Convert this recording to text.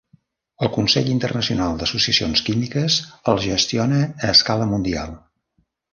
El Consell Internacional d'Associacions Químiques el gestiona a escala mundial.